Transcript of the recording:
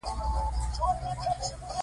شمالي ټلواله کله دوښمن کاروي او کله ملګری